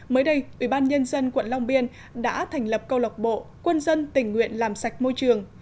mới đây ủy ban nhân dân tp quận long biên đã thành lập câu lọc bộ quân dân tình nguyện làm sạch môi trường